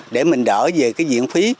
để mình đỡ về cái diện phí